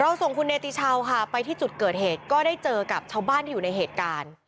ส่งคุณเนติชาวค่ะไปที่จุดเกิดเหตุก็ได้เจอกับชาวบ้านที่อยู่ในเหตุการณ์